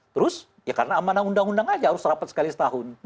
terus ya karena amanah undang undang aja harus rapat sekali setahun